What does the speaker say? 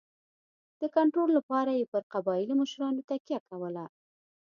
د کنټرول لپاره یې پر قبایلي مشرانو تکیه کوله.